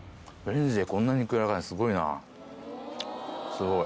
すごい。